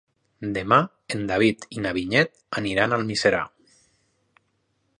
Demà en David i na Vinyet aniran a Almiserà.